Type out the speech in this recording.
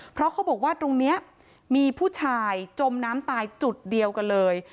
เพราะเขาบอกว่าตรงนี้มีผู้ชายจมน้ำตายจุดเดียวกันเลย